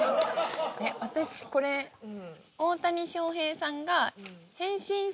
私これ大谷翔平さんが。